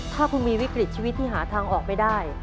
ถ้าคุณมีวิกฤตชีวิตที่หาทางออกไม่ได้